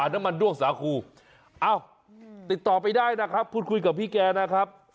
น้ำมันด้วงสาคูเอ้าติดต่อไปได้นะครับพูดคุยกับพี่แกนะครับ